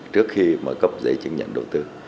trước khi mà cấp giấy chứng nhận đầu tư